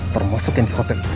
termasuk yang di hotel